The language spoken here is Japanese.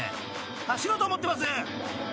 走ろうと思ってます］